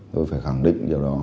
tôi phải khẳng định điều đó